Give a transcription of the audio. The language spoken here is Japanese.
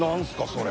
それ。